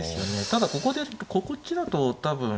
ただここでこっちだと多分。